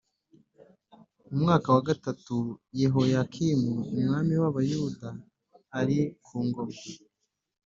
Mu mwaka wa gatatu Yehoyakimu umwami w’Abayuda ari ku ngoma